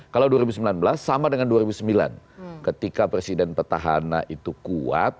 kalau dua ribu sembilan belas sama dengan dua ribu sembilan ketika presiden petahana itu kuat